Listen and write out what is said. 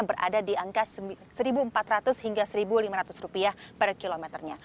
berada di angka rp satu empat ratus hingga rp satu lima ratus per kilometernya